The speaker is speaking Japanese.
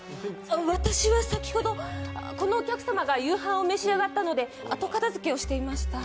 私は先ほどこのお客様が夕飯を召し上がったので、後片付けをしていました。